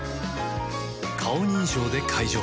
顔認証で解錠